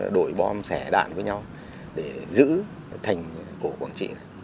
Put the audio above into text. đội bom xẻ đạn với nhau để giữ thành cổ quản trị này